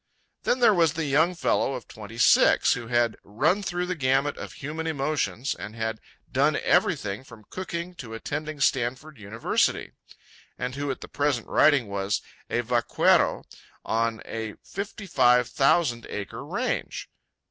Then there was the young fellow of twenty six, who had "run through the gamut of human emotions," and had "done everything from cooking to attending Stanford University," and who, at the present writing, was "A vaquero on a fifty five thousand acre range."